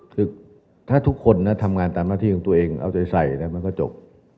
คือถ้าทุกคนทำงานตามหน้าที่ของตัวเองเอาใจใส่มันก็จบ